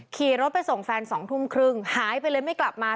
ขี่รถไปส่งแฟน๒ทุ่มครึ่งหายไปเลยไม่กลับมา